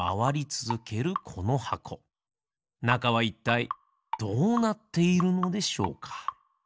なかはいったいどうなっているのでしょうか？